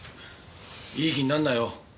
いい気になるなよ。